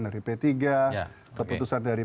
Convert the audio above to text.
dari p tiga keputusan dari